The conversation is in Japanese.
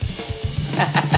ハハハハ。